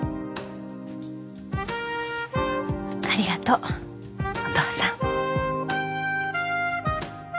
ありがとうお父さん。